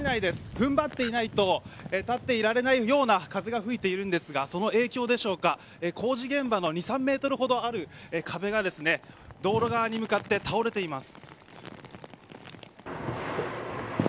踏ん張っていないと立っていられないような風が吹いているんですがその影響でしょうか工事現場の２、３メートルほどある壁が道路側に向かって倒れています。